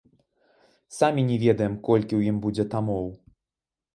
Самі не ведаем, колькі ў ім будзе тамоў.